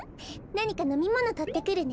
なにかのみものとってくるね。